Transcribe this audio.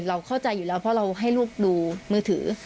เราเข้าใจอยู่แล้วเพราะเราให้ลูกดูมือถือ